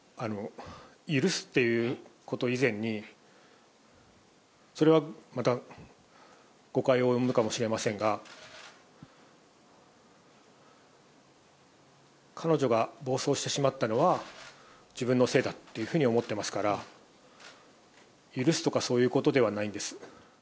許すということ以前に、それはまた誤解を生むかもしれませんが、彼女が暴走してしまったのは、自分のせいだっていうふうに思ってますから、許すとかそういうことではないんです。